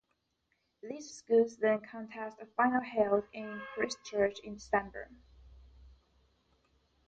These schools then contest a final held in Christchurch in December.